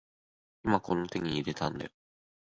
今この手に入れたんだよ